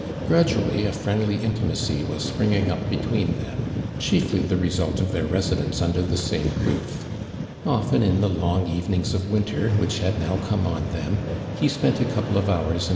(inuhially, a friendly fti tim«#f w*s siM'inging up between them, cbiefly the result of their i tsidenc* tmdw the same roof. Often in the long evenings of winter, which had now come on them, he spent a coui)le of hours in